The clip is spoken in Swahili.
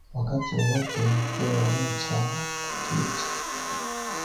Wakati wowote dhee wa mchaa atatuicha